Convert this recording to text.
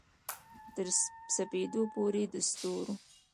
تر سپیدو پوري د ستورو